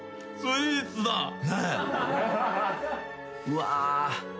うわ。